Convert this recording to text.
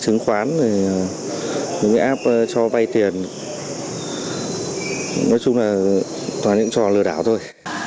chứng khoán rồi những cái app cho vay tiền nói chung là toàn những trò lừa đảo thôi